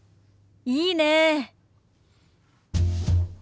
いいねえ。